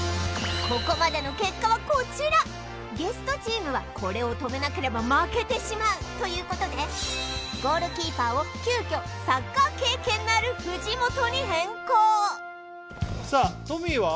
ここまでの結果はこちらゲストチームはこれを止めなければ負けてしまうということでゴールキーパーを急きょサッカー経験のある藤本に変更さあトミーは？